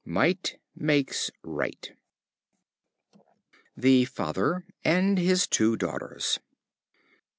Might makes right. The Father and His Two Daughters.